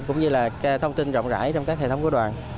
cũng như là thông tin rộng rãi trong các hệ thống của đoàn